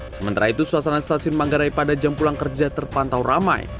sementara itu suasana stasiun manggarai pada jam pulang kerja terpantau ramai